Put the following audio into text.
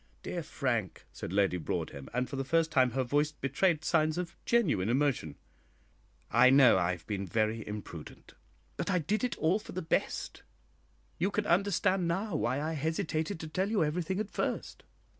"Dear Frank," said Lady Broadhem, and for the first time her voice betrayed signs of genuine emotion, "I know I have been very imprudent, but I did it all for the best. You can understand now why I hesitated to tell you everything at first.